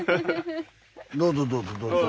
どうぞどうぞ。